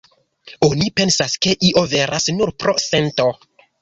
Oni pensas, ke io veras, nur pro sento.